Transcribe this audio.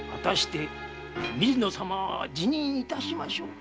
水野様は辞任致しましょうか？